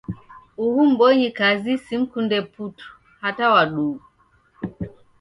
Uhu mbonyikazi simkunde putu, hata wa duhu!